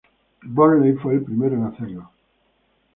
Burnley fue el primero en hacerlo.